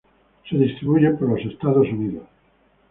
Se distribuyen por Estados Unidos.